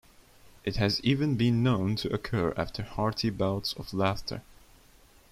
It has even been known to occur after hearty bouts of laughter.